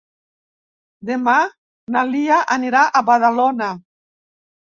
Demà na Lia anirà a Badalona.